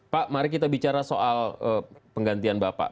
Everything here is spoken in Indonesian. pak mari kita bicara soal penggantian bapak